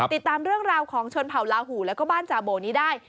ติดตามเรื่องราวของชนเผ่าลาหูแล้วก็บ้านจาโบนี้ได้